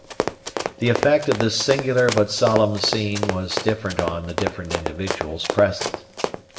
The effect of this singular but solemn scene was different on the different individuals present.